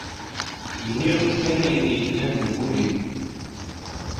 Nniɣ-d kan ayen yellan deg ul-iw.